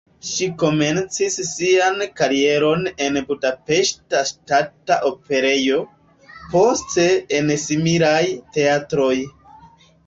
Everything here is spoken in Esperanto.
Ŝi komencis sian karieron en Budapeŝta Ŝtata Operejo, poste en similaj teatroj.